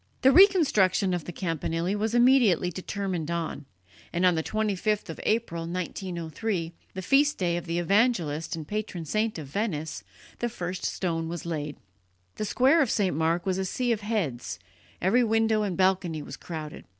The reconstruction of the campanile was immediately determined on, and on the 25th of April, 1903, the feast day of the evangelist and patron saint of Venice, the first stone was laid. The square of St. Mark was a sea of heads; every window and balcony was crowded.